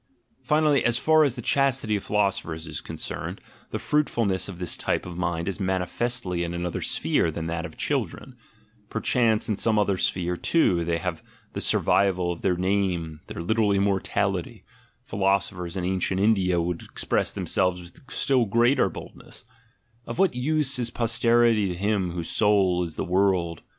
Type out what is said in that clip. Finally, as far as the chastity ot philosophers is concerned, the fruitfulness of this type of mind is manifestly in another sphere than that of chil dren; perchance in some other sphere, too, they have the survival of their name, their little immortality (philoso phers in ancient India would express themselves with still greater boldness: "Of what use is posterity to him whose soul is the world?").